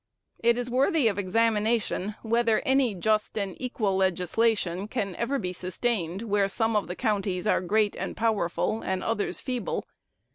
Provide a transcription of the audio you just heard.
It is worthy of examination whether any just and equal legislation can ever be sustained where some of the counties are great and powerful, and others feeble.